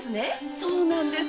そうなんです。